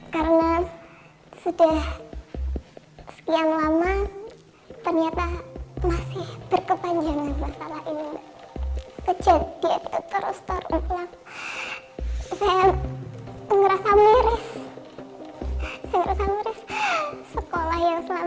karena sudah sekian lama ternyata masih berkepanjangan masalah ini